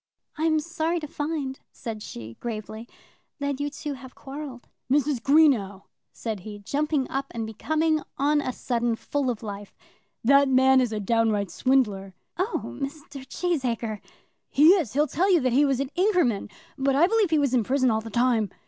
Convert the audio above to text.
"I'm sorry to find," said she, gravely, "that you two have quarrelled." "Mrs. Greenow," said he, jumping up, and becoming on a sudden full of life, "that man is a downright swindler." "Oh, Mr. Cheesacre." "He is. He'll tell you that he was at Inkerman, but I believe he was in prison all the time."